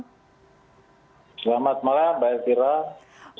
selamat malam baik baik